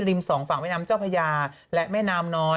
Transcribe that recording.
ริมสองฝั่งเมนามเจ้าพระยาและเมนามน้อย